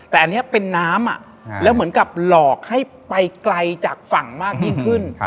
แต่อันนี้เป็นน้ำแล้วเหมือนกับหลอกให้ไปไกลจากฝั่งมากยิ่งขึ้น